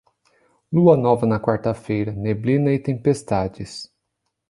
Lua nova na quarta-feira, neblina e tempestades.